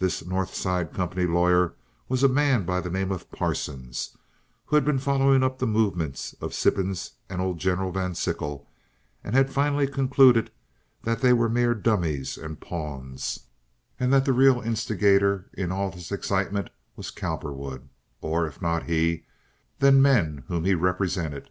This North Side company lawyer, a man by the name of Parsons, had been following up the movements of Sippens and old General Van Sickle, and had finally concluded that they were mere dummies and pawns, and that the real instigator in all this excitement was Cowperwood, or, if not he, then men whom he represented.